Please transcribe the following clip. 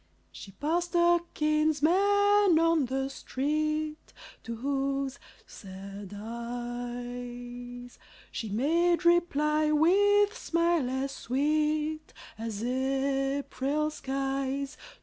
She passed a kinsman on the street, To whose sad eyes She made reply with smile as sweet As April skies.